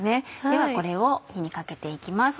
ではこれを火にかけて行きます。